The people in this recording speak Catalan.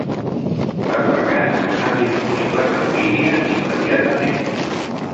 Les vacants estan disponibles en línia immediatament.